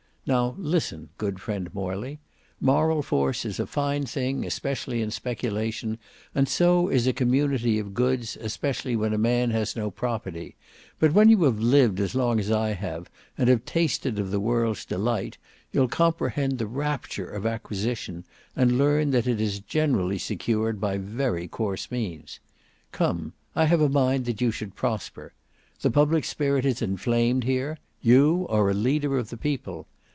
Now listen, good friend Morley; moral force is a fine thing especially in speculation, and so is a community of goods especially when a man has no property, but when you have lived as long as I have and have tasted of the world's delight, you'll comprehend the rapture of acquisition, and learn that it is generally secured by very coarse means. Come, I have a mind that you should prosper. The public spirit is inflamed here; you are a leader of the people.